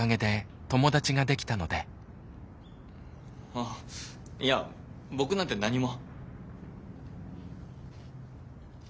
あっいや僕なんて何も。